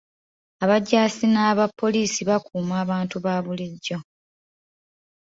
Abajaasi n'aba poliisi bakuuma abantu ba bulijjo.